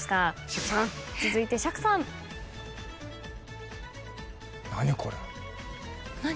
続いて釈さん。何？